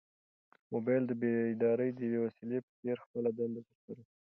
موبایل د بیدارۍ د یوې وسیلې په څېر خپله دنده ترسره کړه.